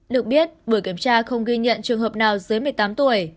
được biết buổi kiểm tra không ghi nhận trường hợp nào dưới một mươi tám tuổi